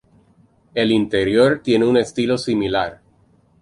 El interior tiene un estilo similar.